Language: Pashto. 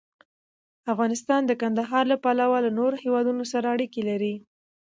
افغانستان د کندهار له پلوه له نورو هېوادونو سره اړیکې لري.